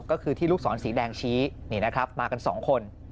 ก็คือที่ลูกศรสีแดงชี้มากันสองคน